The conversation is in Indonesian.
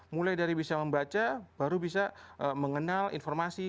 mulai dari bisa membaca baru bisa mengenal informasi